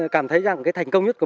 cảm thấy rằng cái thành công nhất của